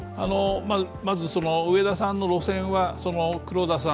まず、植田さんの路線は黒田さん